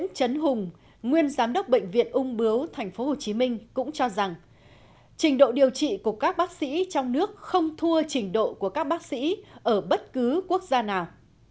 trần hùng nguyên giám đốc bệnh viện ung bướu tp hcm cũng cho rằng trình độ điều trị của các bác sĩ trong nước không thua trình độ của các bác sĩ ở bất cứ quốc gia nào